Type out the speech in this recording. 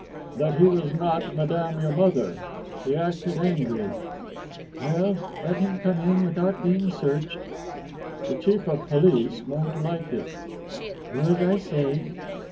"That he was not madame your mother. He acted angry." "Well, let him come in without being searched." "The Chief of Police won't like it." "Do as I say."